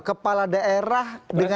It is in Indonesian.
kepala daerah dengan